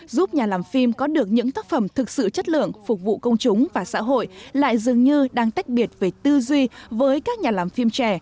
giúp nhà làm phim có được những tác phẩm thực sự chất lượng phục vụ công chúng và xã hội lại dường như đang tách biệt về tư duy với các nhà làm phim trẻ